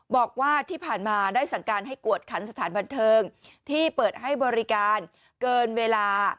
บอกว่าที่ผ่านมาได้สั่งการให้กวดขันสถานบันเทิงที่เปิดให้บริการเกินเวลา